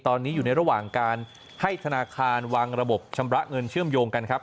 ตอนนี้อยู่ในระหว่างการให้ธนาคารวางระบบชำระเงินเชื่อมโยงกันครับ